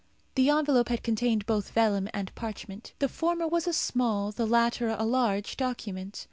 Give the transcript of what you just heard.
The envelope had contained both vellum and parchment. The former was a small, the latter a large document.